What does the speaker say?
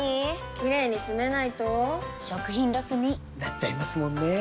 キレイにつめないと食品ロスに．．．なっちゃいますもんねー！